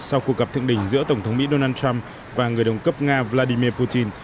sau cuộc gặp thượng đỉnh giữa tổng thống mỹ donald trump và người đồng cấp nga vladimir putin